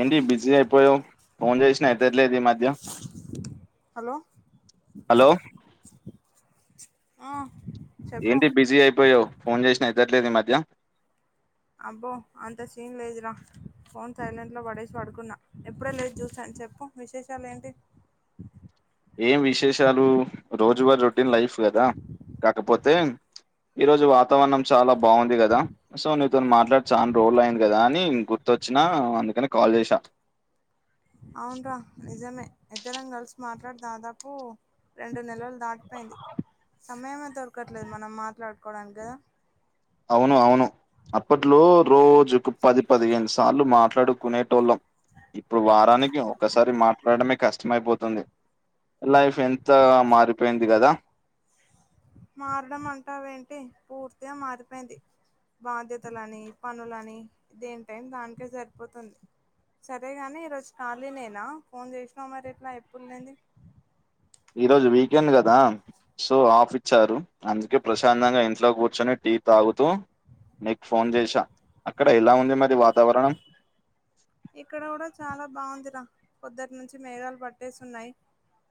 ఏంది బిజీ అయిపోయావు ఫోన్ చేసినా ఎతట్లేదు ఈ మధ్య హలో హలో ఆ చెప్పు ఏంటి బిజీ అయిపోయావు ఫోన్ చేసినా ఎతట్లేదు ఈ మధ్య అబ్బో అంత సీన్లేదురా ఫోన్ సైలెంట్ లో పడేసి పడుకున్నా ఎప్పుడే లేచి చూసాను చెప్పు విశేషాలు ఏంటి ఏం విశేషాలు రోజువారు రొటీన్ లైఫ్ కదా కాకపోతే ఈ రోజు వాతావరణం చాలా బాగుంది కదా సో నీతో మాట్లాడి చానా రోజులు అయింది కదా అని గుర్తొచ్చినా అందుకని కాల్ చేసా అవున్రా నిజమే ఇద్దరం కలిసి మాట్లాడి దాదాపు రెండు నెలలు దాటిపోయింది సమయమే దొరకట్లేదు మనం మాట్లాడుకోవడానికి కదా అవును అవును అప్పట్లో రోజుకు ఒక పది పదిహేను సార్లు మాట్లాడుకునేటోళ్ళం ఇప్పుడు వారానికి ఒక్కసారి మాట్లాడమే కష్టమైపోతుంది లైఫ్ ఎంత మారిపోయింది కదా మారడం అంటావేంటి పూర్తిగా మారిపోయింది బాధ్యతలని పనులని దేని టైం దానికే సరిపోతుంది సరేగాని ఈరోజు ఖాళీ నేనా ఫోన్ చేసినా మరి ఇట్లా ఎప్పుడు లేంది ఈ రోజు వీకెండ్ కదా సో ఆఫ్ ఇచ్చారు అందుకే ప్రశాంతంగా ఇంట్లో కూర్చొని టీ తాగుతూ నీకు ఫోన్ చేసా అక్కడ ఎలా ఉంది మరి వాతావరణం ఇక్కడ కూడా చాలా బాగుందిరా పొద్దంట నుంచి మేఘాలు పట్టేసిన్నాయి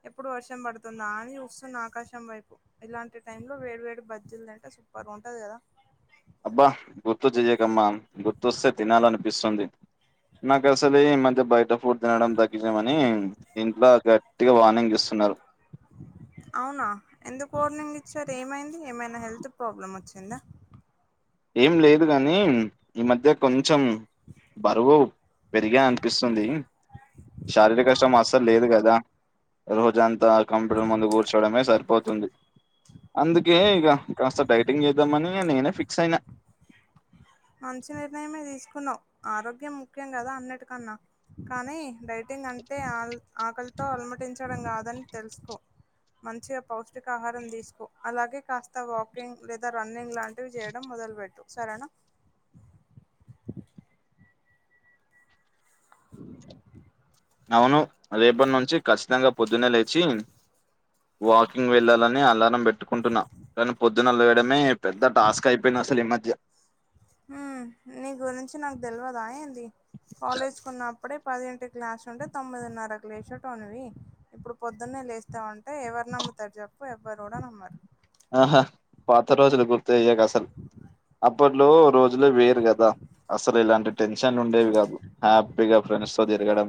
ఎప్పుడు వర్షం పడుతుందా అని వస్తున్న ఆకాశం వైపు ఇలాంటి టై లో వేడి వేడి బజ్జీలు తంటే సూపర్గా ఉంటది కదా అబ్బా గుర్తు చెయ్యకమ్మా గుర్తుస్తే తినాలనిపిస్తుంది నాకు అసలే ఈ మధ్య బయట ఫుడ్ తినడం తగ్గించామని ఇంట్లో గట్టిగా వాార్నింగ్ ఇస్తున్నారు అవునా ఎందుకు ఓర్నింగ్ ఇచ్చారు ఏమైంది ఏమైనా హెల్త్ ప్రాబ్లమ్ వచ్చిందా ఏం లేదు గాని ఈ మధ్య కొంచెం బరువు పెరిగా అనిపిస్తుంది శారీరక శ్రమ అస్సలు లేదు కదా రోజంతా కంప్యూటర్ ముందు కూర్చోవడమే సరిపోతుంది అందుకే ఇక కాస్త డైటింగ్ చేద్దామని నేనే ఫిక్స్ అయిన మంచి నిర్ణయమే తీసుకున్నావ్ ఆరోగ్యం ముఖ్యం కదా అన్నిటికన్నా కానీ డైటింగ్ అంటే ఆల్ ఆకలితో అలమటించడం కాదని తెలుసుకో మంచిగా పౌష్టికాహారం తీసుకో అలాగే కాస్త వాకింగ్ లేదా రన్నింగ్ లాంటివి చేయడం మొదలు పెట్ సరేనా [inaudible] నవును రేపటి నుంచి ఖచ్చితంగా పొద్దున్నే లేచి వాకింగ్ వెళ్ళాలని అలారం పెట్టుకుంటున్నా కానీ పొద్దున్న లేవడమే పెద్ద టాస్క్ అయిపోయింది అసలు ఈ మధ్య హు నీ గురించి నాకు తెలవద ఏంది కాలేజ్ ఉన్న ప్పుడే పదింటి గ్లాస్ ఉంటే తొమ్మిదిన్నర గ్ లేషట్ వాడివి ఇప్పుడు పొద్దున్నే లేస్తా ఉంట అంటే ఎవరు నమ్ముతారు చెప్పు ఎవ్వరు కూడా నమ్మరు. ఆహా పాత రోజులు గుర్తయ్యాక అసలు అప్పట్లో రోజులు వేరు కదా అసలు ఇలాంటి టెన్షన్ ఉండేవి కాదు హ్యాపీగా ఫ్రెండ్స్ తో తిరగడం.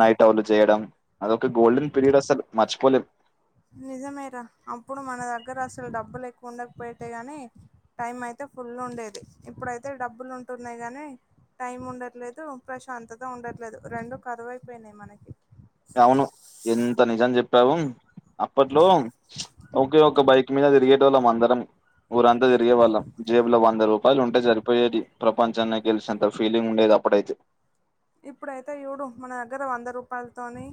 నైట్ ఔట్ చేయడం అదొక గోల్డెన్ పీరియడ్ అసలు మర్చిపోలేమ్ నిజమేరా అప్పుడు మన దగ్గర అసలు డబ్బులు ఎక్కువ ఉండకపోయతే గాని టైం అయితే ఫుల్ ఉండేది ఇప్పుడైతే డబ్బులు ఉంటున్నాయి గానీ టైం ఉండట్లేదు, ప్రశాంతత ఉండట్లేదు రెండు కరువైపోయినాయి మనకి అవును ఎంత నిజాం చెప్పావు అప్పట్లో ఓకే ఒక బైక్ మీద తిరిగేటోళ్ళం అందరం ఊరంతా తిరిగే వాళ్ళం. జేబు లో వంద రూపాయలు ఉంటే సరిపోయేది ప్రపంచాన్ని గెలిసినంత ఫీలింగ్ ఉండేది అప్పుడైతే ఇప్పుడైతే ఇవ్వడు మన దగ్గర వంద రూపాయలతోని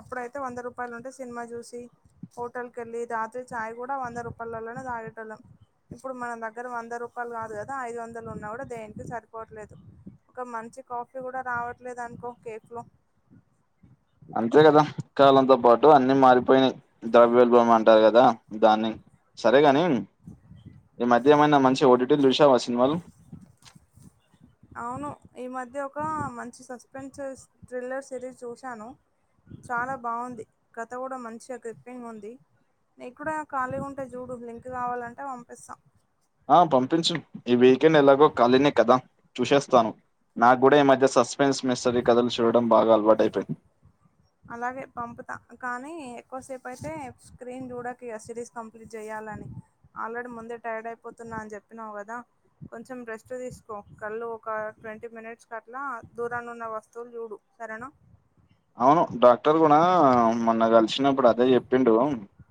అప్పుడైతే వంద రూపాయలు ఉంటే సినిమా చూసి హోటల్ కెళ్ళి రాత్రి చాయ్ కూడా వంద రూపాలలోనే తాగేటోల్లం. ఇప్పుడు మన దగ్గర వంద రూపాయలు కాదు గదా ఐదు వందలు ఉన్నా కూడా దేనికి సరిపోవట్లేదు. ఒక మంచి కాఫీ కూడా రావట్లేదనుకో కేఫ్ లో అంతే కదా కాలంతో పాటు అన్ని మారిపోయినై ద్రవ్యోల్బణం అంటారు కదా దాన్ని సరేగాని ఈ మధ్య ఏమైనా మంచి ఒటిటీలు చూసావ? [inaudible] అవును ఈ మధ్య ఒక మంచి సస్పెన్సెస్ థ్రిల్లర్ సిరీస్ చూశాను. చాలా బాగుంది కథ కూడా మంచి ఒక క్రిఫంగ్ ఉంది నీకు కూడా కాలిగా ఉంటే చూడు లింక్ కావాలంటే పంపిస్తా. ఆ పంపించు ఈ వీకెండ్ ఎలాగో ఖాళీనే కదా చూసేస్తాను. నాకు కూడా ఈ మధ్య సస్ప మెన్స్ మిస్రీ కథలు చూడడం బాగా అలవాటు అయిపోయింది. అలాగే పంపుతా కానీ ఎక్కువసేపైతే స్క్రీన్ చూడగిగా సిరీస్ కంప్లీట్ చేయాలని ఆల్రెడీ ముందే టైర్డ్ అయిపోతున్నా అని చెప్పినావు కదా కొంచెం రెస్ట్ తీసుకో కళ్ళు ఒక ట్వంటీ మినిట్స్ కట్లా దూరాన్ని ఉన్న వస్తువులు చూడు సరేనా అవును డాక్టర్ గుణ మొన్న కలిసినప్పుడు అదే చెప్పిండు.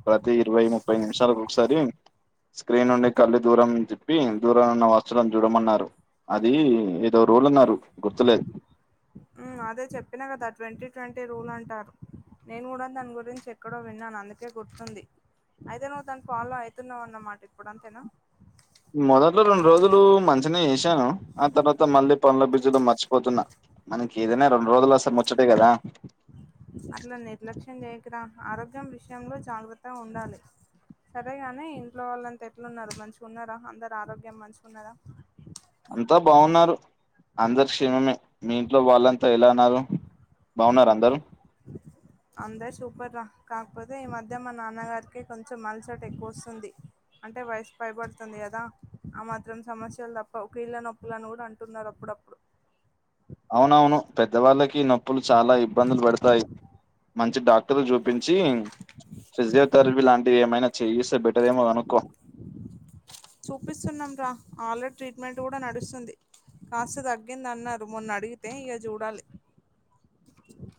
ప్రతి ఇరవై, ముప్పై నిమిషాలకు ఒకసారి స్క్రీన్ నుండి కళ్ళ దూరం చెప్పి దూరం ఉన్న వస్తువులను చూడమన్నారు అది ఏదో రోల్న్నారు గుర్తులే మ్ అదే చెప్పిన కదా ట్వంటీ ట్వంటీ రూల్ అంటారు. నేను కూడా దాని గురించి ఎక్కడో విన్నాను అందుకే గుర్తుంది. అయితే నువ్ దాని ఫాలో అయితున్నావు అన్నమాట ఇప్పుడు అంతేనా మొదట రెండు రోజులు మంచినె చేసాను ఆ తర్వాత మళ్ళీ పనుల బిజిలో మర్చిపోతున్నా. మనకి ఏదైనా రెండు రోజుల అ సార్ ముచ్చటే కదా అట్లా నిర్లక్ష్యం చేయకురా ఆరోగ్యం విషయంలో జాగ్రత్త ఉండాలి. సరేగాని ఇంట్లో వాళ్ళంతా ఎట్లు ఉన్నారు మంచిగా ఉన్నారా అందరు ఆరోగ్యం మంచిగాన్నారా? అంతా బావున్నారు అందరి క్షేమమే మీ ఇంట్లో వాళ్ళంతా ఎలా ఉన్నారు? బావున్నార అందరు? అందరు సూపర్ రా కాకపోతే ఈ మధ్య మా నాన్నగారికి కొంచెం అలసట ఎక్కువోస్తుంది. అంటే వయసు పైబడుతుంది కదా ఆ మాత్రం సమస్యలు తప్ప ఒక కీళ్ళ నొప్పులని కూడా అంటున్నారు అప్పుడప్పుడు అవునవును పెద్దవాళ్ళకి నొప్పులు చాలా ఇబ్బందులు పెడతాయి. మంచి డాక్టర్లు చూపించి ఫిజియోథెరపీ లాంటివి ఏమైనా చెయ్యి ఇస్తే బెటర్ ఏమొ అనుకో చూపిస్తున్నాం రా ఆల్రెడీ ట్రీట్మెంట్ కూడా నడుస్తుంది కాస్త తగ్గింది అన్నారు మొన్న అడిగితే ఇక చూడాలి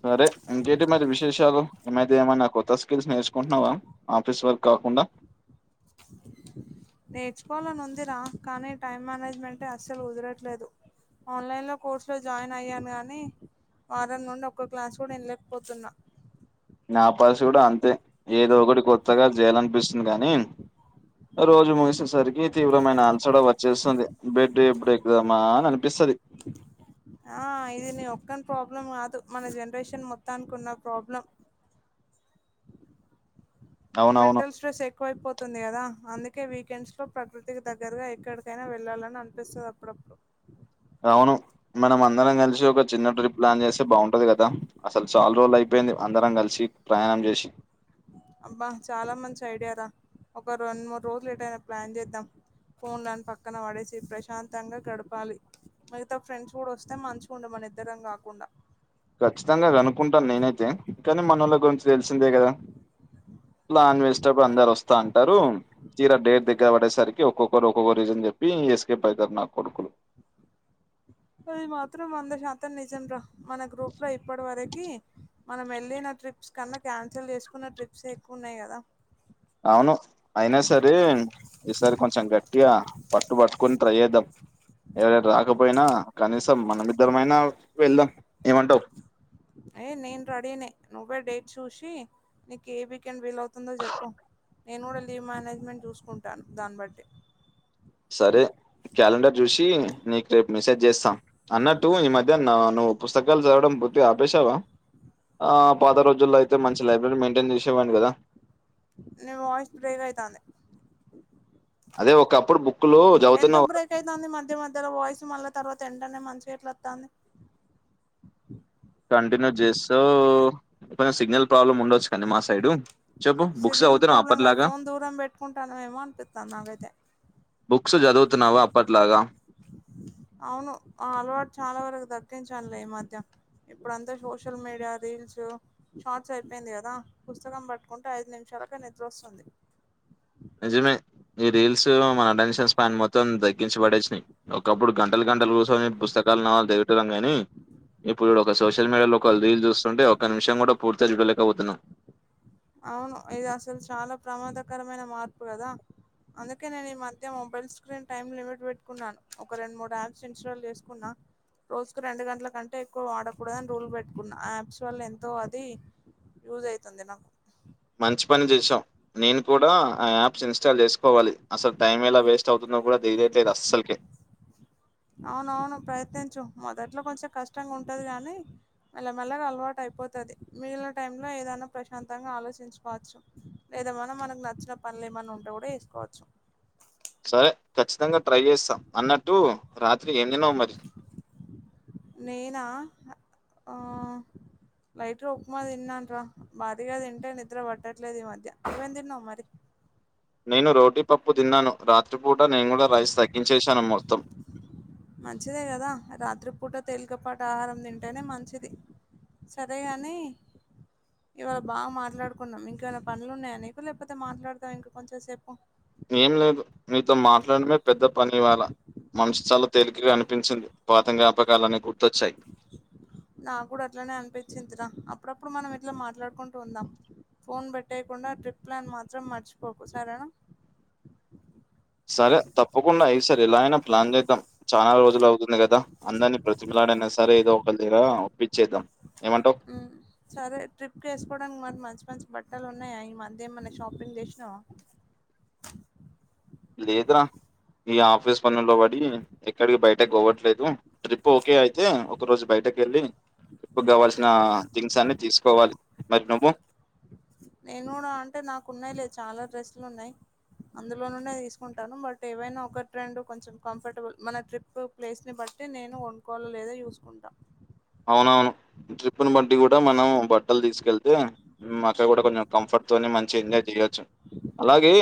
సరే ఇంకేంటి మరి విశేషాలు ఈమధ్య ఏమైనా కొత్త స్కిల్స్ నేర్చుకుంటున్నావా ఆఫీస్ వర్క్ కాకుండా నేర్చుకోవాలని ఉందిరా కానీ టైం మేనేజ్మెంట్టే అస్సలు కుదరట్లేదు ఆన్లైన్ లో కోర్సు లో జాయిన్ అయ్యాను గాని వారం నుండి ఒక్క క్లాస్ కూడా వెనలేకపోతున్నా నా పరిస్థితి కూడా అంతే ఏదో ఒకటి కొత్తగా జేయాలనిపిస్తుంది కానీ రోజు ముగిసేసరికి తీవ్రమైన అల్చడా వచ్చేస్తుంది బెడ్ ఎప్పుడు ఎక్దామా అని అనిపిస్తుంది ఆ ఇది నీ ఒక్కని ప్రాబ్లం కాదు మన జనరేషన్ మొత్తానికిన్న ప్రాబ్లం హ మెంటల్ స్ట్రెస్ ఎ ఎక్కువైపోతుంది కదా అందుకే వీకెండ్స్ లో ప్రకృతికి దగ్గరగా ఎక్కడికైనా వెళ్ళాలని అనిపిస్తుంది అప్పుడప్పుడు అవును మనం అందరం కలిసి ఒక చిన్న ట్రిప్ ప్లాన్ చేస్తే బాగుంటది కదా అసలు చాలా రోజులు అయిపోయింది అందరం కలిసి ప్రయాణం చేసి అబ్బా చాలా మంచి ఐడియార ఒక రెండు మూడు రోజులు ఎటయిన ప్లాన్ చేద్దాం ఫోన్లను పక్కన పడేసి ప్రశాంతంగా గడపాలి మిగతా ఫ్రెండ్స్ కూడా వస్తే మంచిగా ఉండు మన ఇద్దరం కాకుండా ఖచ్చితంగా కనుకుంటాను నేనైతే కానీ మనోళ్ల గురించి తెలిసిందే కదా నాన్ వెజిటబుల్ అందరు వస్తా అంటారు తీర డేట్ దగ్గర పడేసరికి ఒక్క ఒక్కొక్క రీజనచెప్పు ఎస్కప్ అయితారు నా కొడుకులు అది మాత్రం వంద శాంతం నిజం రా మన గ్రూప్ లో ఇప్పటి వరకి మనం వెళ్ళిన ట్రిప్స్ కన్నా క్యాన్సల్ చేసుకున్న ట్రిప్స్ ఎ ఎక్కువున్నాయి కదా అవును అయినా సరే ఈసారి కొంచెం గట్టిగా పట్టు పట్టుకొని ట్రై చేద్దాం ఎవరయినా రాకపోయినా కనీసం మనమిద్దరమైనా వెళ్దాం ఏమంటావు ఏయ నేను రెడీనే నువ్వే డేట్ చూసి నీకు ఏ వీకెండ్ విలవ్ తుందో చెప్పు నేను కూడా లీవ్ మేనేజ్మెంట్ చూసుకుంటాను దాన్ని బట్టి సరే క్యాలెండర్ చూసి నీకు రేపు మిసేజ్ చేస్తాను అన్నటు ఈ మధ్య నా నువు పుస్తకాలు చదవడం పూర్తిగా ఆపేశావ ఆ పాత రోజుల్లో అయితే మంచి లైబ్రరీ మెయింటైన్ చేసేవాడిని కదా నీ వాయిస్ బ్రేక్ అయితాంది అదే ఒకప్పుడు బుక్లు చదువుతున్న తుంది మధ్య మధ్యలో వాయిసు మళ్ళా తర్వాత ఎంటనే మంచిగా ఎట్ల వస్తుంది కంటిన్యూ చేస్తూ కొంచెం సిగ్నల్ ప్రాబ్లమ్ ఉండ కానీ మా సైడ్ చెప్పు బుక్స్ సిగ్నల్ చదువుతున్నావా ప్రాబ్లం కాదు అప్పటిలాగా ఫోన్ దూరం పెట్టుకుంటానమేమో అనిపిత్తాంది నాకైతే బుక్స్ చదువుతున్నావ అప్పట్లాగా అవును ఆ అలవాటు చాలా వరకు తగ్గించలునే ఈ మధ్య ఇప్పుడు అంతా సోషల్ మీడియా రీల్స్ షార్ట్స్ అయిపోయింది కదా పుస్తకం పట్టుకుంటే ఐదు నిమిషాలకే నిద్రొస్తుంది నిజమే ఈ రీల్స్ మన అటెన్షన్ స్పెండ్ మొత్తం తగ్గించబడేచ్చాయి ఒకప్పుడు గంటలు గంటల కు పుస్తకాలు నావలలు చదివే టోల్లం కానీ ఇప్పుడు ఒక సోషల్ మీడియా లో ఒకళ్ళ రీల్ చూస్తుంటే ఒక నిమిషం కూడా పూర్తిగా చూడలేకపోతున్నాం అవును ఇది అసలు చాలా ప్రమాదకరమైన మార్పు కదా అందుకే నేను ఈ మధ్య మొబైల్ స్క్రీన్ టైమ్ లిమిట్ పెట్టుకున్నాను ఒక రెండు మూడు యాప్స్ ఇన్స్టాల్ చేసుకున్నా రోజుకు రెండు గంటల కంటే ఎక్కువ వాడకూడదని రూల్ పెట్టుకున్నా యాప్స్ వల్ల ఎంతో అది యూస్ అయితుంది నాకు మంచి పని చేసావు నేను కూడా ఆ యాప్స్ ఇన్స్టాల్ చేసుకోవాలి అసలు టైం ఎలా వేస్ట్ అవుతుందో కూడా తెలియట్లేదు అస్సలకే అవునవును ప్రయత్నించు మొదట్లో కొంచెం కష్టంగా ఉంటది గాని మెల్ల మెల్లగా అలవాటు అయిపోతది మిగిలిన టైమ్ లో ఏదైనా ప్రశాంతంగా ఆలోచించుకోవచ్చు లేదా మన మనకు నచ్చిన పనులు ఏమన్నా ఉంటే కూడా చేసుకోవచ్చు సరే ఖచ్చితంగా ట్రై చేస్తా అన్నట్టు రాత్రి ఏం తినవు మరి నేనా ఆ లైట్ ఉప్మా తిన్నానురా భారీగా తింటే నిద్ర పట్టట్లేదు ఈ మధ్య నువ్వేం తిన్నావు మరి నేను రోటీ పప్పు తిన్నాను రాత్రిపూట నేను కూడా రైస్ తగ్గించేశాను మొత్తం మంచిదే కదా రాత్రిపూట తేలికపాట ఆహారం తింటేనే మంచిది సరే గానీ ఇవాళ బాగా మాట్లాడుకున్నాం ఇంకేమైనా పనులున్నాయా నీకు లేకపోతే మాట్లాడదామా ఇంక కొంచెం సేపు ఏం లేదు నీతో మాట్లాడమే పెద్ద పని ఇవాళ మనస్సు చాలా తేలికగా అనిపించింది పాత జ్ఞాపకాలన్ని గుర్తొచ్చాయి నా కూడా అట్లనే అనిపించింది రా అప్పుడప్పుడు మనం ఇట్లా మాట్లాడుకుంటూ ఉందాం ఫోన్ పెట్టేయకుండా ట్రిప్ ప్లాన్ మాత్రం మర్చిపోకు సరేనా సరే తప్పకుండా ఈసారి ఎలా అయినా ప్లాన్ చేద్దాం చాలా రోజులు అవుతుంది కదా అందరిని బ్రతిమలాడైనా సరే ఏదో ఒకళ దగ్గర ఒప్పించేద్దాం ఏమంటావు సరే ట్రిప్కి వేసుకోవడానికి మరి మంచి మంచి బట్టలు ఉన్నాయా ఈ మధ్య ఏమన్నా షాపింగ్ చేసినావు లేదరా ఈ ఆఫీస్ పనుల్లో పడి ఎక్కడికి బయటకి పోవట్లేదు ట్రిప్ ఓకే అయితే ఒక రోజు బయటకి వెళ్ళి ట్రిప్కి కావాల్సిన థింగ్స్ అన్ని తీసుకోవాలి మరి నువ్వు నేను అంటే నాకు ఉన్నాయి లే చాలా డ్రెస్లు ఉన్నాయి అందులో నుండి తీసుకుంటాను బట్ ఏవైనా ఒకకి రెండు కొంచెం కంఫర్టబుల్ మన ట్రిప్ ప్లేస్ని బట్టి నేను కొనుకోవాలా లేదా చూసుకుంటా అవునవును ట్రిప్పుని బట్టి కూడా మనం బట్టలు తీసుకెళ్తే ఉమ్ అక్కడ కూడా కొంచం కంఫర్ట్ తోని మంచిగా ఎంజాయ్ చేయచ్చు అలాగే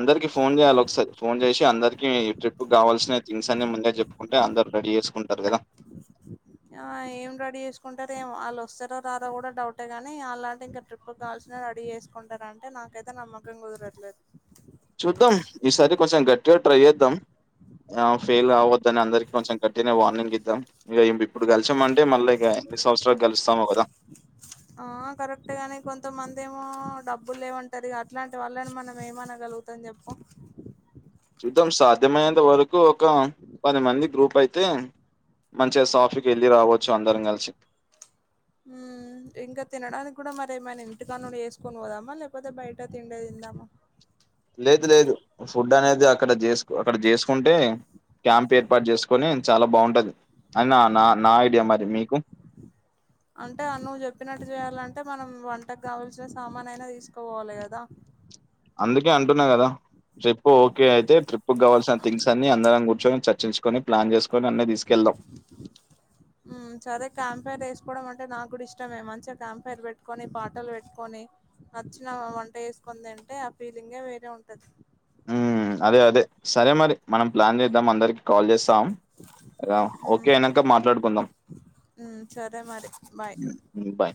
అందరికి ఫోన్ చేయాలి ఒకసారి ఫోన్ చేసి అందరికి ఈ ట్రిప్ కావాల్సిన థింగ్స్ అన్ని ముందే చెప్పుకుంటే అందరు రెడీ చేసుకుంటారు కదా ఆ ఏం రెడీ చేసుకుంటారో ఏమో వాళ్ళు వస్తారో రారో కూడా డౌటే గాని అలాంటి ఇంకా ట్రిప్కి కాల్సిన రెడీ చేసుకుంటారంటే నాకైతే నమ్మకం కుదరట్లేదు చూద్దాం ఈసారి కొంచెం గట్టిగా ట్రై చేద్దాం ఆ ఫెయిల్ అవద్దని అందరికి కొంచెం గట్టినే వార్నింగ్ ఇద్దాం ఇక ఇప్పుడు కలిసామంటే మళ్ళీ ఇక ఎన్ని సంవత్సరాలకు కలుస్తామో కదా ఆ కరెక్ట్ గాని కొంతమంది ఏమో డబ్బులు లేమంటారు అట్లాంటి వాళ్ళని మనం ఏమనగలుగు తం చెప్పు చూద్దాం సాధ్యమైనంత వరకు ఒక పది మంది గ్రూప్ అయితే మంచిగా సాఫీకి వెళ్ళి రావచ్చు అందరం కలిసి ఉమ్ ఇంక తినడానికి కూడా మరేమైనా ఇంటికా నుండి చేసుకొని పోదామా లేకపోతే బయట తిండే తిందామా లేదు లేదు ఫుడ్ అనేది అక్కడ చేసు అక్కడ చేసుకుంటే క్యాంప్ ఏర్పాటు చేసుకొని చాలా బాగుంటది అని నా నా ఐడియా మరి మీకు అంటే నువ్వు చెప్పినట్టు చేయాలంటే మనం వంటకు కావాల్సిన సామాన్ అయినా తీసుకోపోవాలి కదా అందుకే అంటున్నా కదా ట్రిప్ ఓకే అయితే ట్రిప్ కావవాల్సిన థింగ్స్ అన్ని అందరం కూర్చొని చర్చించు ప్లాన్ చేసుకోని అన్ని తీసుకెళ్దం సరే క్యాంపైర్ వేసుకోవడం అంటే నాకు కూడా ఇష్టమే మంచిగా క్యాంఫైర్ పెట్టుకొని పాటలు పెట్టుకొని నచ్చిన వంట చెసుకుందింటే ఆ ఫీలింగే వేరే ఉంటది అదే అదే సరే మరి మనం ప్లాన్ చేద్దాం అందరికి కాల్ చేస్తాం రాం హ్మ్ ఓకే అయినాక మాట్లాడుకుందాం హ్మ్ సరే మరి బాయ్ బయ్